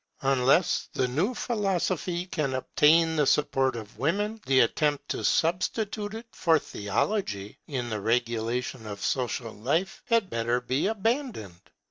Unless the new philosophy can obtain the support of women, the attempt to substitute it for theology in the regulation of social life had better be abandoned.